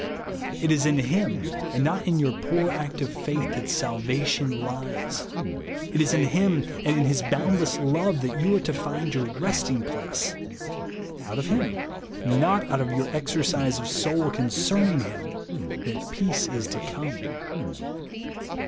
It is in Him, and not in your 2)oor act of faith, that salvation lies. It is in Him and in Lis boundless love that you you are to find your resting place. Out of Him, not out of your exercise of soul con cerning him, that peace is to come.